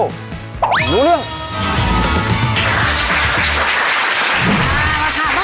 รู้เรื่อง